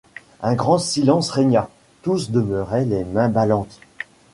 Un grand silence régna, tous demeuraient les mains ballantes.